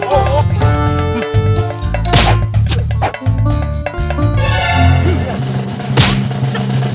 lalu dia mau ikut